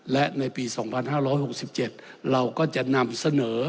และในปี๒๕๖๗เราก็จะนำเสนอ